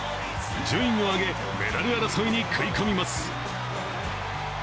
順位を上げ、メダル争いに食い込みます。